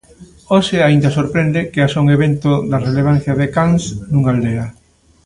Hoxe aínda sorprende que haxa un evento da relevancia de Cans nunha aldea.